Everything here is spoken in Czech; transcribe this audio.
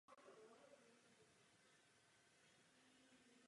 Celé spiknutí odhalí tajná služba a atentátu je zabráněno.